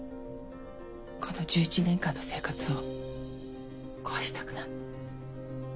この１１年間の生活を壊したくない。